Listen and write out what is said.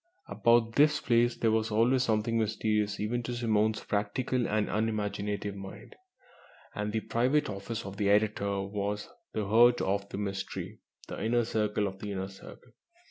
About this place there was always something mysterious even to Simone's practical and unimaginative mind, and the private office of the editor was the heart of the mystery the inner circle of the Inner Circle.